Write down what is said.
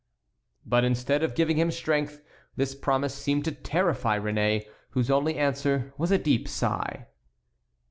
But instead of giving him strength, this promise seemed to terrify Réné, whose only answer was a deep sigh.